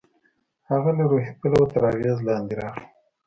هغه له روحي پلوه تر اغېز لاندې راغی.